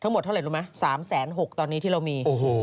หมดเท่าไหร่รู้ไหม๓๖๐๐ตอนนี้ที่เรามี